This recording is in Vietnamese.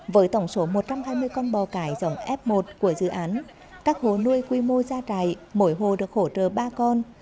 với tổng số một trăm hai mươi con bò cải dòng f một của dự án các hồ nuôi quy mô gia trại mỗi hồ được hỗ trợ ba con